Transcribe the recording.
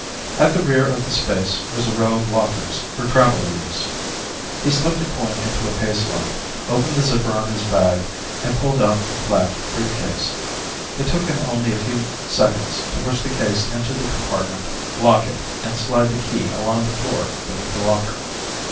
At the rear of the space was a row of lockers for traveler use. He slipped a coin into a pay slot, opened the zipper on his bag and pulled out a flat briefcase. It took him only a few seconds to push the case into the compartment, lock it and slide the key along the floor beneath the locker.